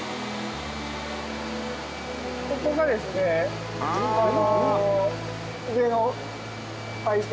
ここがですねあの。